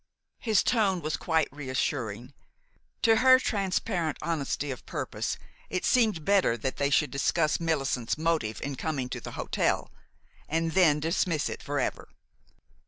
His tone was quite reassuring. To her transparent honesty of purpose it seemed better that they should discuss Millicent's motive in coming to the hotel and then dismiss it for ever.